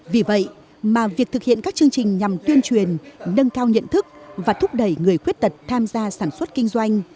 vì vậy mà việc thực hiện các chương trình nhằm tuyên truyền nâng cao nhận thức và thúc đẩy người khuyết tật tham gia sản xuất kinh doanh